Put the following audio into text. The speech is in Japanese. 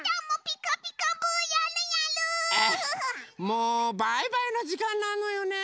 もうバイバイのじかんなのよね。